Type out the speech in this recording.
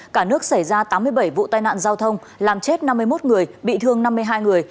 cả nước xảy ra tám mươi bảy vụ tai nạn giao thông làm chết năm mươi một người bị thương năm mươi hai người